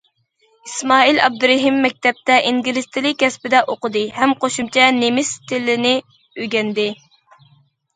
ئىسمائىل ئابدۇرېھىم مەكتەپتە ئىنگلىز تىلى كەسپىدە ئوقۇدى ھەم قوشۇمچە نېمىس تىلىنى ئۆگەندى.